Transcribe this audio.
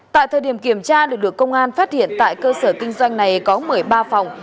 tại thời điểm kiểm tra lực lượng công an phát hiện tại cơ sở kinh doanh này có một mươi ba phòng